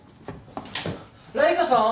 ライカさん！